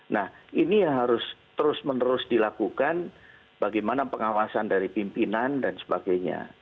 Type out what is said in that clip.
nah ini yang harus terus menerus dilakukan bagaimana pengawasan dari pimpinan dan sebagainya